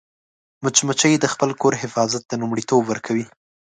مچمچۍ د خپل کور حفاظت ته لومړیتوب ورکوي